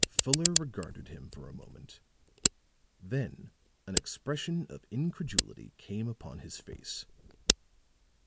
Fuller regarded him for a moment; then an expression of incredulity came upon his face.